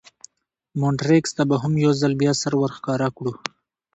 مونټریکس ته به هم یو ځل بیا سر ور ښکاره کړو.